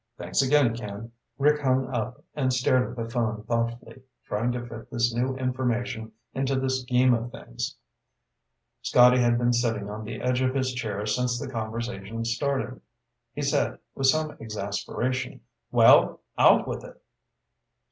Thanks again, Ken." Rick hung up and stared at the phone thoughtfully, trying to fit this new information into the scheme of things. Scotty had been sitting on the edge of his chair since the conversation started. He said, with some exasperation, "Well? Out with it!"